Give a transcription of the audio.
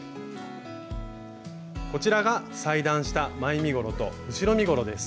こちらが裁断した前身ごろと後ろ身ごろです。